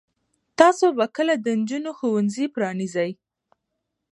تاسو به کله د نجونو ښوونځي پرانیزئ؟